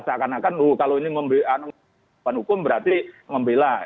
seakan akan kalau ini bantuan hukum berarti membela